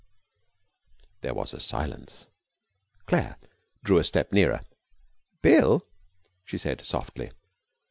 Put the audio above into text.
There was a silence. Claire drew a step nearer. 'Bill!' she said softly.